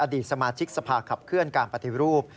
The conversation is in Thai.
ดีสมาชิกสภาขับเคลื่อนการปฏิรูป